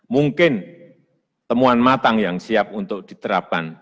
mungkin temuan matang yang siap untuk diterapkan